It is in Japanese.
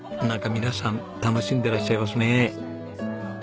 なんか皆さん楽しんでらっしゃいますね。